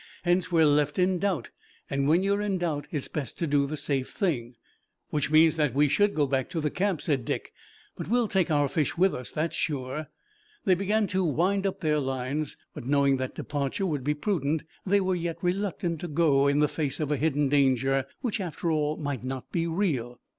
Hence we are left in doubt, and when you're in doubt it's best to do the safe thing." "Which means that we should go back to the camp," said Dick. "But we'll take our fish with us, that's sure." They began to wind up their lines, but knowing that departure would be prudent they were yet reluctant to go in the face of a hidden danger, which after all might not be real.